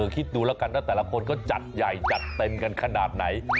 คิดดูแล้วกันว่าแต่ละคนเขาจัดใหญ่จัดเต็มกันขนาดไหน